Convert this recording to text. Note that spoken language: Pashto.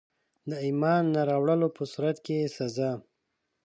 د ایمان نه راوړلو په صورت کي سزا.